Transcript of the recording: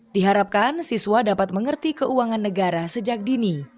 diharapkan siswa dapat mengerti keuangan negara sejak dini